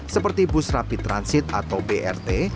seperti bus rapid transit atau brt